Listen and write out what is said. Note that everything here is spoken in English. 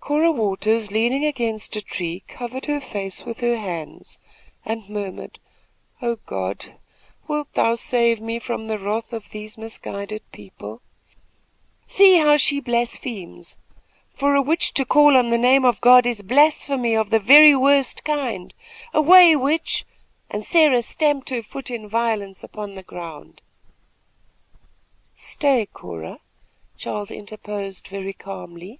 Cora Waters, leaning against a tree, covered her face with her hands and murmured: "Oh, God! wilt thou save me from the wrath of these misguided people?" "See how she blasphemes! For a witch to call on the name of God is blasphemy of the very worst kind. Away, witch!" and Sarah stamped her foot in violence upon the ground. "Stay, Cora!" Charles interposed, very calmly.